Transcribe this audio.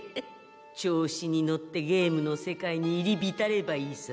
調子に乗ってゲームの世界に入りびたればいいさ。